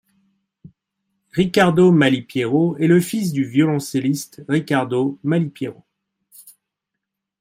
Riccardo Malipiero est le fils du violoncelliste Riccardo Malipiero.